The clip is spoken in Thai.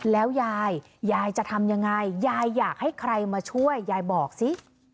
แล้วยายยายจะทำยังไงยายอยากให้ใครมาช่วยยายบอกสิ